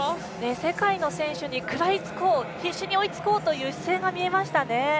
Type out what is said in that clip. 世界の選手に食らいつこう必死に追いつこうという姿勢が見えましたね。